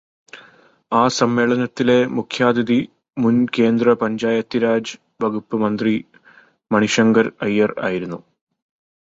ആ സമ്മേളനത്തിലെ മുഖ്യാതിഥി മുൻ കേന്ദ്ര പഞ്ചായത്തിരാജ് വകുപ്പ് മന്ത്രി മണിശങ്കർ അയ്യർ ആയിരുന്നു.